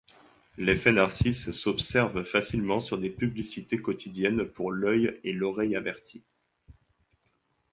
L'effet Narcisse s'observe facilement sur des publicités quotidiennes pour l'œil et l'oreille avertis.